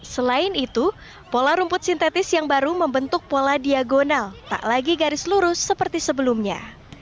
selain itu pola rumput sintetis yang baru membentuk pola diagonal tak lagi garis lurus seperti sebelumnya